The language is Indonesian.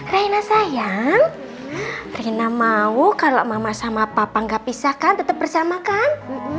raina sayang raina mau kalau mama sama papa gak pisah kan tetep bersama kan